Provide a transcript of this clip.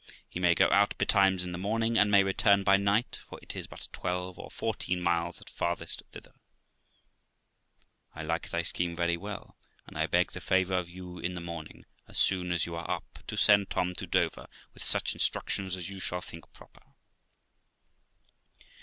He may go out betimes in the morning, and may return by night, for it is but twelve or fourteen miles at farthest thither. Roxana. I like thy scheme very well ; and I beg the favour of you in the morning, as soon as you are up, to send Tom to Dover, with such instructions as you shall think proper.